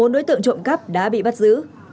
bốn đối tượng trộm cắp đã bị bắt giữ